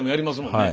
はい。